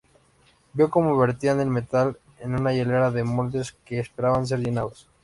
Vio como vertían el metal en una hilera de moldes que esperaban ser llenados.